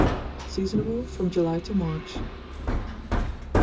Seasonable from July to March.